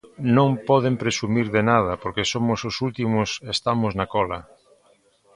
Non poden presumir de nada porque somos os últimos, estamos na cola.